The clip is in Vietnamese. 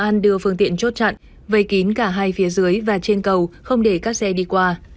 an đưa phương tiện chốt chặn vây kín cả hai phía dưới và trên cầu không để các xe đi qua